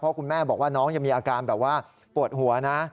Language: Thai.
คุณแม่บอกว่าน้องยังมีอาการแบบว่าปวดหัวนะ